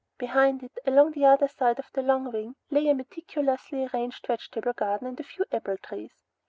Behind it, along the other side of the long wing, lay a meticulously arranged vegetable garden and a few apple trees.